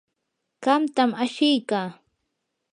qamtam ashiykaa.